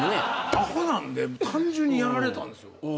アホなんで単純にやられたんですよ。